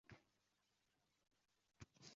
Soat yetti yarim.